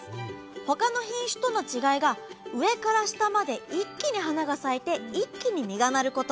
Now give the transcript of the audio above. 他の品種との違いが上から下まで一気に花が咲いて一気に実がなること。